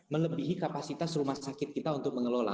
melebihi kapasitas rumah sakit kita untuk mengelola